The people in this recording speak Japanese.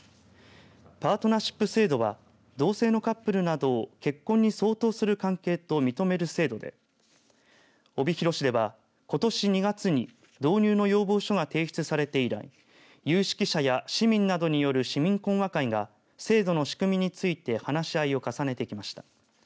パートナーシップ制度は同性のカップルなどを結婚に相当する関係と認める制度で帯広市ではことし２月に導入の要望書が提出されて以来有識者や市民などによる市民懇話会が制度の仕組みについて話し合いを重ねてきました。